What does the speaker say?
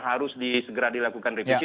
harus segera dilakukan revisi